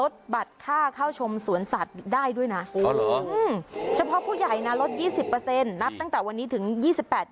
ได้นะคะที่หมายเลข๐๓๘๓๑๘๔๔๔